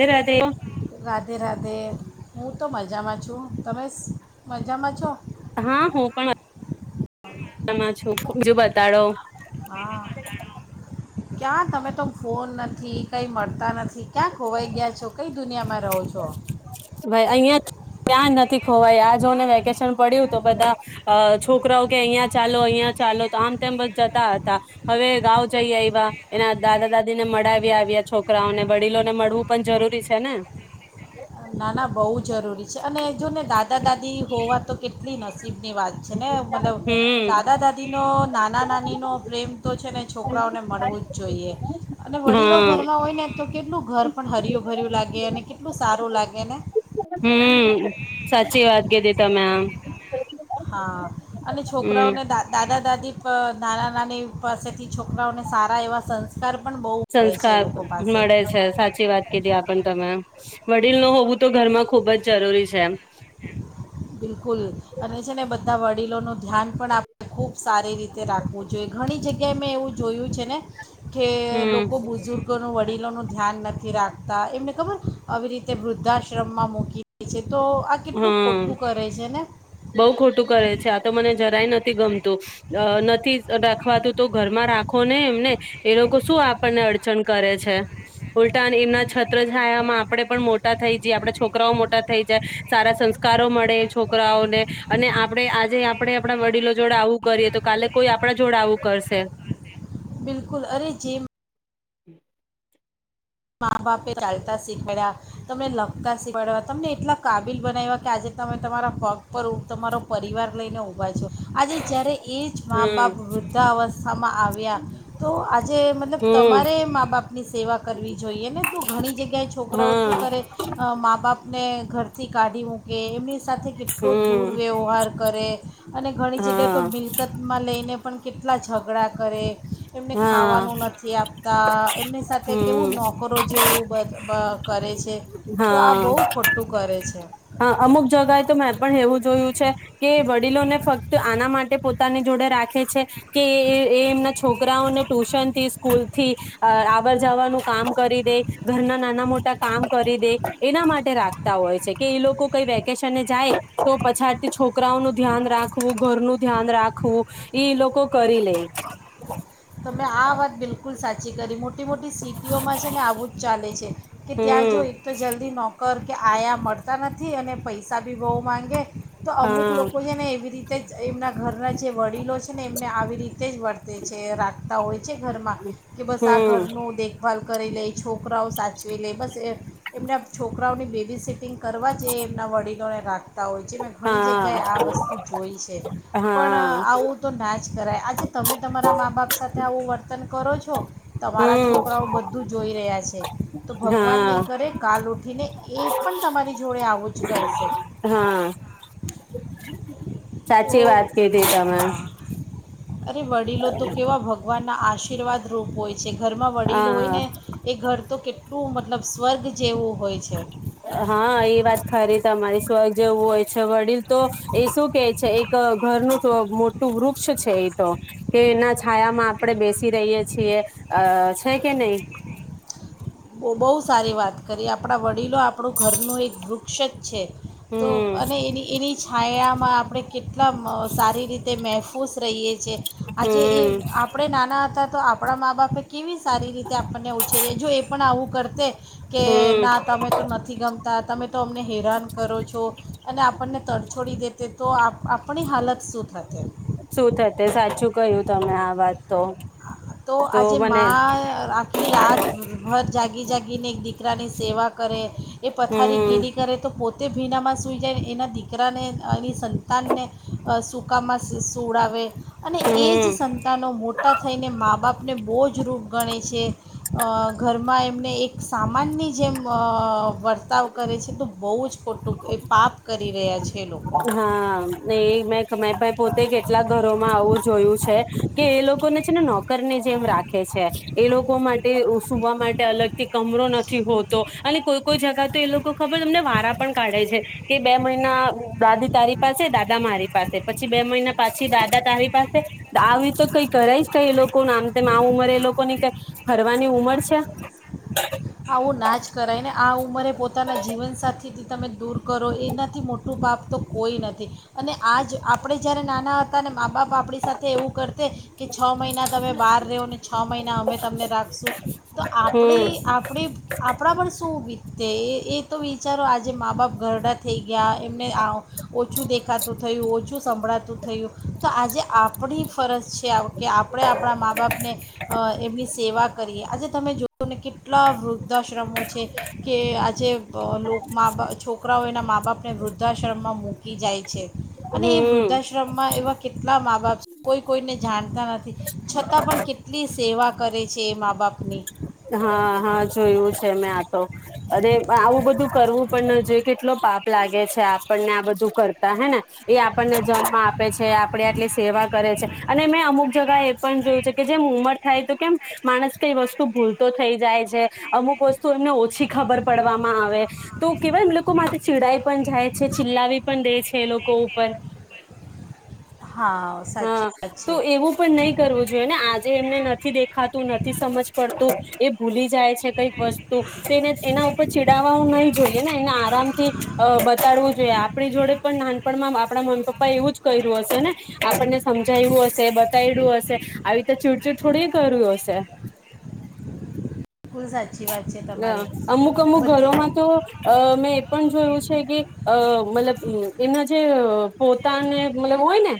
અે રાધે. અરે હું, તો મજામાં છું તમે મજામાં છો. હા, હું પણ છુંજું બતાડો. હા, ક્યા તમે તો ફોન નથી કઈ મળતા નથી. ક્યા ખોવાઈ ગયા છો, કઈ દુનિયામાં રહો છો. ભાઈ અહં ત્યાન નથી ખોવા. આ જોને વેકેશન પડ્યું તો બધા અ છોકરાઓ કે અહિયાં ચાલો અહિયાં ચાલો તો આમ તેમ બ જતા હતા હવે ગાઉ જઈ આવ્યા એના દાદા દાદી ને મળાવ્યા આવ્યા છોકરાઓને વડીલો ને મળવું પણ જરૂરી છે ને. ના ના બહુ જરૂરી અને જો ને દાદા દાદી હોવા તો કેટલી નાસીબ ની વાત છે ને મતલબ દાદા હમ દાદી નો. નાના નાનીનો પ્રેમ. તો છે ને છોકરાઓને મળવું જ છે. જોઈએ. અને વડીલો હા ઘરમાં હોય ને તો. કેટલું ઘર પણ હરિય ભર્યું લાગે અને કેટલું સારું લાગે. આને હમ સાચી વાત કધી તમે આમ. હા અને હમ છોકરાઓને દા.. દા. દાદી નાના નાની પાસેથી છોકરાઓને સારા એવા સંસ્કાર. પણ બહુ મળે છે એ સંસ્કાર લોકો પાસે મળે છે સાચી વાત કીધી આ પણ તમે. વડીલ હોવું તો ઘરમાં ખુબ જ જરૂરી છે એમ. બિલકુલ અને છે ને બધા. બધા વડીલોનું ધ્યાન પણ આપણે ખૂબ સારી રીતે રાખવું જોઈએ ઘણી જગ્યાએ મેં એવું જોયું છે ને. કે હમ લોકો બુઝુર્ગો ન વ. વડીલોનું ધ્યાન નથી રાખતા એમને ખબર આવી રીતે વૃદ્ધાશ્રમમાં મૂકી છે તો. આ કેટલું હા ખોટું કરે છે ને બઉ ખોટું કરે છે આ તો મને જરાય નથી ગમતી. નથી રાખવાતું તો ઘરમાં રાખો ને એમને એ લોકો શું આપણને અડચણ કરે છે ઉલટા એમના છત્રછાયામાં આપણેે પણ મોટા થઈ જાય આપડા છોકરાઓ મોટા થઈ જાય. સારા સંસ્કારો મળે છોકરાઓને. અને આપડે આજે આપ. આપણે આપણા વડીલો જોડે આવું કરીએ તો કાલે કોઈ આપણા જોડે આવું કરશે. બિલકુલ અરે જેીમ. હમ. મા બાપે ચાલતા શીખાડ્યા તમને લખતા શીખવાડ્યા તમને એટલા કાબિલ બનાવ્યા કે આજે તમે તમારા ફગ પર. તમારો પરિવાર લઈને ઊભા છ આજે જ્યારે એ જ મા બાપ હમ વૃદ્ધાવસ્થામાં આવ્યા તો આજે મતલબ હમ તમારે મા બાપની સેવા. જોઈએને ઘણી જગ્યાએ છોકરાઓ શું હા કરે મા બાપને. થી કાઢી મૂકે એમ. સાથે કેટલો હમ દૂરવ્યવહાર કરે અને ઘણી જગ્યા તો હા મિલકતમાં લઈને. પણ કેટલા ઝઘડા કરે. એમને હા ખાવાનું નથી આપતા. એમને સાથે. સાથે કેવું હમ નોકરો જેવું કરે છે તો આ બહુ ખોટું કરે છે. હ અમુક જગએ તો મેં પણ એવું જોયું છે કે વડીલોને ફક્ત આના માટે પોતાની જોડે રાખે છે કે એ એમના છોકરાઓને ટ્યુશન થી સ્કૂલ થી આવર જવાનું કામ કરી દે ઘરના નાના મોટા કામ કરી દે એના માટે રાખતા હોય છે. કે એ લોકો કઈ વેકેશનને જાય તો પછાતથી છોકરાઓ નું ધ્યાન રાખવું ઘર નું ધ્યાન રાખવું લોકો કરી લે. તમે આ વાત બિલકુલ સાચી કરી. મોટી મોટી સિટીઓમાં છે ને આવું જ ચાલે છે કે ત્યાં જો હમ એ તો જલ્દી નોકર કે આયા મળતા નથી અને પૈસા ભી બહુ માગે. તો અમુક હા લોકો છે ને એવી રીતે એમના ઘરના જે વડીલો છે. છે ને એમને આવી રીતે તે જ વર્તે છે રા તા હોય. છે ઘરમાં કે બસ આ હમ ઘરનો દેખ ભલ કરી લઈ છો. છોકરાઓ સાચવે લે બસ એ. એમના છોકરાઓની બેબી સિટિંગ કરવા જ એમના વડીલોને રાખ હોય છે મેં ઘણી જગ્યાએ હા આ વસ્તુ જોઈ છે પણ હા આવું તો નાચ કરાય આજે તમે તમારા મા બાપ સાથે ત્યાં આવું વર્તન કરો છો. તમારા છોકરાઓ હમ બધું જોઈ રહ્યા છે. છે. તો ભગવાન નહી હા કરે કાલ ઉઠ થીને એ પણ તમારી જોડે આવું જ કરશે. હા. તો સાચી વાત કીધી તમે. હા અરે વડીલો તો કેવા ભગવાન ના આશીર્વાદ રૂપ હોય જે ઘરમાં વડીલ હોય હા ને એ ઘર તો કેટ તું મતલબ સ્વર્ગ જેવો હા એ વાત ખરી તમારી. જેવું હોય છે વડીલ તો એ શું કે છે એક ઘરનું મોટું વૃક્ષ છે એ તો કે એના છાયામાં આપણેે બેસી રહીય છીએ છે કે નહી. બહ સારી વાત કરી આપણા વ વડીલો આપણું ઘરનું એક વૃક્ષ જ છે તો હમ અને એ એની છાયામાં આપણે કેટલા એટલા સારી રીતે મહેફૂસ રહીએ છીએ આજે એ હમ આપણે નાના હતા તો આપણા મા બાપે કેવી સારી રીતે આપણને ઉછેરી એ જો એ પણ આવું કરતે કે ના હમ તમે તો નથી ગમતા તમે તો અમને હેરાન કરો છો અને આપણને તડછોડી દે તે તો આપણી હાલત શું થાય? શું થતે સાચું કય્યું તમે આ વાત. તો તો આજે માં રાખી કે રાતભર જાગી જાગીને એક દીકરાની સેવા કરે. એ પથારી હમ ગીલી કરે તો પોતે તે ભીનામાં સૂઈ જાય એના દીકરાને એની સંતાનને સૂકામાં સડાવે અને એ હમ જ સંતાનો મોટ ને મા બાપને બહુ જ રૂપ ગણે છે ઘરમાં એમને એક સામાનની જેમ વર્તાવ કરે છે તો બહુ જ ખોટું એ પાપ કરી રહ્યા છે એ લોકો હા એ મે મે પોતે કેટલાક ઘરોમાં આવું જોયું. કે એ લોકોને છે ને નોકર ને જેમ રાખે છે એ લોકો માટે સુવા માટે અલગથી કમરો નથી હોતો અને કોઈ કોઈ જગા તો એ લોકો ખબર તમને વારા પણ કાઢે છે કે બે મહિના દાદી તારી પાસે દાદા મારી પાસે પછી બે મહિના પાછી દાદા તારી પાસે આવી તો કઈ કરાય કઈ એ લોકો આમ તેમ આ ઉમરે એ લોકોની કઈ ફરવાની ઉંમર છે. આવું નાચ કરાય ને આ ઉંમરે પોતાના જીવનસાથી તમે દૂર કરો એનાથી મોટું બાપ તો કોઈ નથી અને આજ આપણે જ્યારે નાના હતા ને મા બાપ આપણી સાથે એવું કરતે કે છ મહિના તમે બહાર રહો ને છ મહિના અમે તમને રાખીશું તો આપણી હમ આપ આપણે આપણા પણ શું ઊભી તે એ એ તો વિચારો આજે આજે મા બાપ ઘરડા થઈ ગયા એમને ઓછું દેખાતું થયું ઓછું સંભળાતું થયું. તો આજે આપણી ફરજ છે કે આપણે આપણા મા બાપને એમની સેવા કરીએ આજે તમે જોઓ ને કે કેટલા વૃદ્ધાશ્રમો છે કે આજે બા છોકરાઓ એના મા બાપને વૃદ્ધાશ્રમમાં મૂકી જાય છે અને એ હમ વૃદ્ધાશ્રમમાં એવા કેટલા મા બાપ કોઈ કોઈને જાણતા નથી છતાં પણ કેટલી સેવા કરે છે એ મા બાપ અને હા હા જોયું છે મેં આ તો અને આવું બધું કરવું પણ ન જોઈ કેટલો પાપ લાગે છે આપણને આ બધું કરતા હે ને. એ આપણને જન્મ આપે છે આપડે આટલી સેવા કરે છે અને મેં અમુક જગા એવી પણ જોયું છે કે જેમ ઉંમર થાય તો કેમ માણસ કઈ વસ્તુ ભૂલ તો થઈ જાય છે. અમુક વસ્તુ એમને ઓછી ખબર પ પડવામાં આવે તો કેવાય એમ લોકો માટે ચીડાઈ પણ જાય છે ચિલ્લાવી પણ દે છે એ લોકો ઉપર. હા સાચી હા વાત છે તો એવું પણ નહી કરવું જોઈએ ને આજે એમને નથી દેખાતું નથી સમજ એ ભૂલી જાય છે કઈક વસ્તુ તેને એના ઉપર ચીડાવવુ નહી જોય. એને આરામ થી બ કરવું જોઈએ આપણી જોડે પણ ના પણ આપણા મમ્મી પપ્પા એવું જ કર્યું હશે ને, આપણને સમજાય્યું હશે, બતાવીડ્યું હશે, આવી રીતે ચૂડચીડ થોડી કર્યું હશે. બિલકુલ સાચી વાત છે તમારી હ અમુક અમુક બધી ઘરોમાં તો અ મેં એ પણ જોયું છે કે અ મતલબ એના જે પોતાને મતલબ હોય ને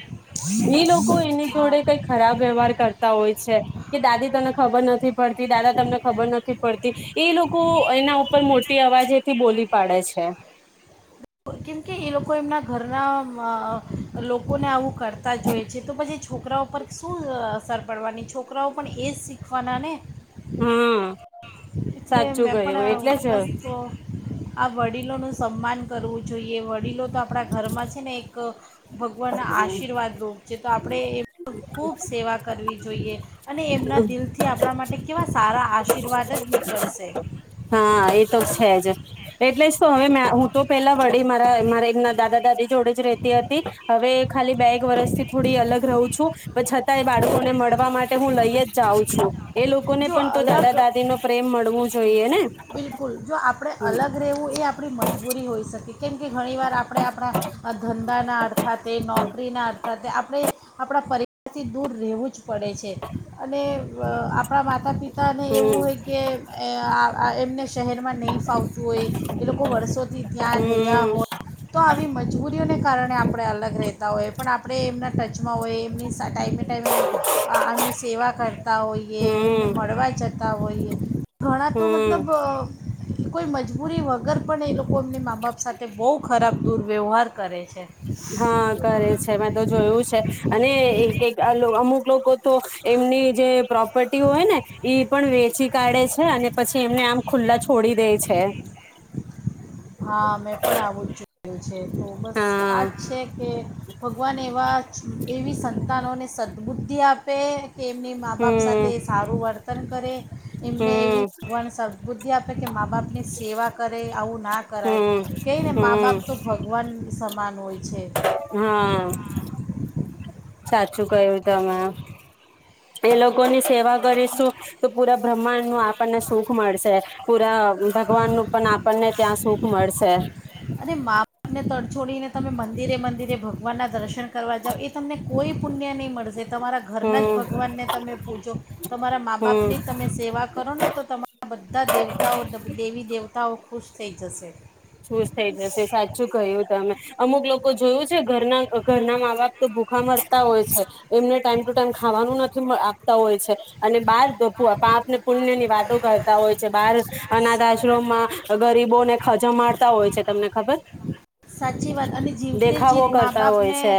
એ લોકો એની હા જોડે કઈ ખરાબ વ્યવહાર કરતા. હોય છે. કે દાદી તમને ખબર નથી પડતી. દાદા તમને ખબર નથી પડતી એ લોકો એના ઉપર મોટી અવાજ એથી બોલી પાડે છે. કેમકે એ લોકો એમના ઘરના લોકોને આવું કરતા જોઈ છે. તો પછી છોકરાઓ પર શું અસર પડવાની છોકરાઓ પણ એ જ શીખવાના ને. હમ. એટલે મેં પણ બસ્ તો આ વડીલોનું સન્માન કરવું જોઈએ. વડીલો તો આપણા ઘરમાં છે, ને એક ભગવાનના આશીર્વાદરૂપ છે. તો આપણે એ ખૂબ સેવા કરવી જોઈએ. અને એમના દિલથી આપણા માટે કેવા સારા આશીર્વાદ જ ની હા એ તો છે જ એટલે હવે હું તો પેલા વડી મા મારે એમના દાદા દાદી જોડે જ રતી હતી. હવે ખાલી બે એક વર્ષથી થોડી અલગ રહું છું, પણ છતાં એ બાળકોને મળવા માટે હું લઈ જ જાઉં છું. એ લોકોને જો પણ તો અલગ દાદા દાદી નો પ્રેમ મળવું જ જોઈએ ને બિલકુલ જો આપણે હમ અલગ રહેવું, એ આપણી મજબૂરી હોઈ શકે કેમ કે ઘણીવાર આપણે આપણા ધંધાના અર્થા નોકરીના અર્થા આપણે આપણા પરિવારથી દૂર રહેવું જ પડે છે. અને આપ આપણા માતા પિતાને એવું હમ હોય કે એમને શહેરમાં નહીં ફાવતું હોય, એ લોકો વર્ષોથી ત્યાં રહ્યા હમ હોય, તો આવી મજા મજબૂરીઓને કારણે આપણે અલગ રહેતા હોઈએ પણ આપણે એમના ટચમાં હોઈ એમની ટાઈમે ટાઈમે એમની સેવા કર. હોઈએ એમને હમ મળવા જ જતા હોઈએ ઘણા તો હમ મતલબ કોઈ મજબૂરી વગર પણ એ લોકો એમની મા બાપ સાથે બહુ ખરાબ દુર્વ્યવહાર કરે. છે હા કરે છે. મે તો જોયું છે. અને એક એક આ અમુક લોકો તો એમની જે પ્રોપર્ટી હોય, ને ઈ પણ વે પછી કાઢે છે અને પછી એમને આમ ખુલ્લા છોડી દે છે. હા મેં પણ આવું છું. છે તો બસ આ હા જ છે કે ભગવાન એવા એવી સંતાનોને સદબુદ્ધિ આપે કે એમની મા બાપ હમ સાથે સારું વર્તન કરે એમને એવી હમ ભગવાન સ બુદ્ધિ આપ કે મા બાપ ની સેવા કરે આવું કરાય હમ કઈને મા હમ બાપ તો ભગવાન સમાન હોય. છે હા. સાચું કય્યું તમે એ લોકોની સેવા કરીશું તો પુરા બ્રહ્માંડ નું આપણને સુખ મળશે પૂરા ભગવાન નું પણ આપણને ત્યાં સુખ મળશે. અને મા બાપ ને તડછોડીને તમે મંદિરે મંદિરે ભગવાન ના દર્શન કરવા જાાવ એ તમને કોઈ પુણ્ય નહીં મળશે તમારા ઘરના જ હમ ભગવાનને તમે પૂજો તમારા મા હમ બાપની તમે સેવા કરો ને તો તમારા બધા દેવતાઓ દેવી દેવ તઓ ખુશ થઈ જશે. શુઝ થઇ જશે સાચું કહ્યું તમે. અમુક લોકો જોયું છે ઘરના ઘરના મા બાપ તો ભૂખા મરતા હોય છે એમને ટાઈમ ટુ ટાઈમ ખાવાનું નથી હોય છે અને બાર પાપને પુણ્ય ની વાતો કરતા હોય છે બાર સ અનાથ આશ્રમમાં ગરીબોને ખજમા હોય છે તમને ખબર સાચી વાત અને જીવતે દેખાવો જીત મા કરતા હોય બાપને છે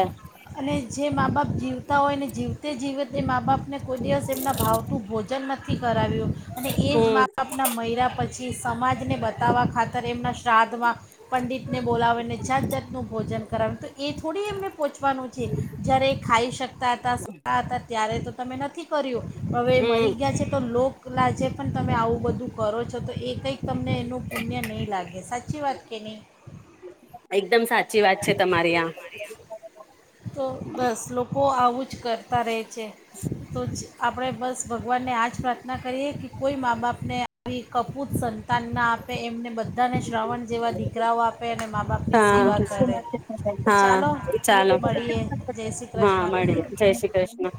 અને જે મા બાપ જીવ તા હોય ને જીવતે જીવતે મા બાપ અને કોઈ દિવસ એમના ભાવતું ભોજન નથી નથીથી કરાવ્યું. અને એજ હમ મા બાપના મહયરા પછી પછ સમાજને બતાવવા ખાતર એમના શ્રાદ્ધમાં પંડિતને બોલાવા જાત જાતનું ભોજન કરવું ને તો એ થોડી એમને પોહચવાનું છે જય્યારે ખાઈ શકે હતા હતા ત્યારે તો તમે નથી કર્યું. હવે હમ મરી ગયા છે તો લો લજે પણ તમે આવું બધું કરો છો તો એ કંઈક તમને એનું પુણ્ય નહીં લાગે સાચી વાત કે નહીં. એકદમ સાચી વાત છે તમારી આ. બસ લોકો તો આવું જ કરતા રહે છે. તો જ આપણે બસ ભગવાનને આજ પ્રાર્થના કરીએ કે કોઈ મા બાપને આવી કપૂત સંતાન ના આપે એમને બધા બધા ને શ્રાવણ જેવા દીકરાઓ આપે અને હા સેવા કરે હા ચાલો ચાલો મળીએ જય શ્રી હા કૃષ્ણ મળી જય શ્રી કૃષ્ણ.